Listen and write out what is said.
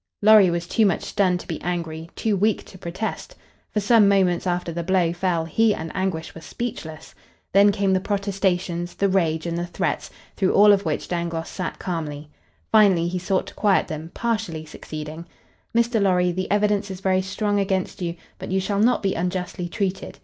Lorry was too much stunned to be angry, too weak to protest. For some moments after the blow fell he and Anguish were speechless. Then came the protestations, the rage and the threats, through all of which Dangloss sat calmly. Finally he sought to quiet them, partially succeeding. "Mr. Lorry, the evidence is very strong against you, but you shall not be unjustly treated.